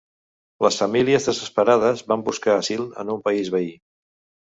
Les famílies desesperades van buscar asil en un país veí.